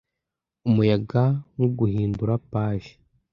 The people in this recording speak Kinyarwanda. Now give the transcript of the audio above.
Umuyaga nkuguhindura page